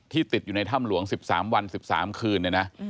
ติดอยู่ในถ้ำหลวง๑๓วัน๑๓คืนเนี่ยนะ